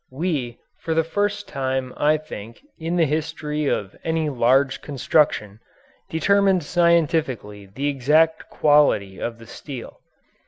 We, for the first time I think, in the history of any large construction, determined scientifically the exact quality of the steel.